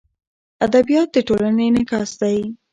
ادبیات د ټولنې انعکاس دی.